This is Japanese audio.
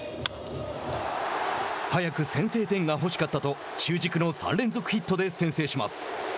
早く先制点が欲しかったと中軸の３連続ヒットで先制します。